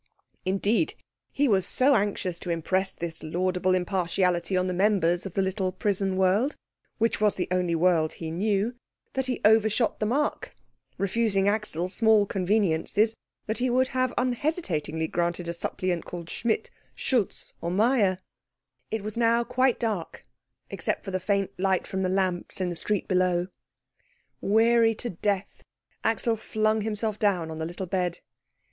Indeed, he was so anxious to impress this laudable impartiality on the members of the little prison world, which was the only world he knew, that he overshot the mark, refusing Axel small conveniences that he would have unhesitatingly granted a suppliant called Schmidt, Schultz, or Meyer. It was now quite dark, except for the faint light from the lamps in the street below. Weary to death, Axel flung himself down on the little bed.